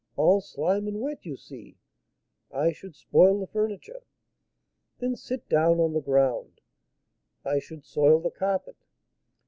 all slime and wet, you see. I should spoil the furniture." "Then sit down on the ground." "I should soil the carpet."